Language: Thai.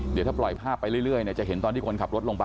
เดี๋ยวถ้าปล่อยภาพไปเรื่อยจะเห็นตอนที่คนขับรถลงไป